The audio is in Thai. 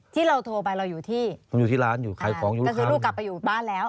ที่เราโทรไปเราอยู่ที่ผมอยู่ที่ร้านอยู่ขายของอยู่ก็คือลูกกลับไปอยู่บ้านแล้ว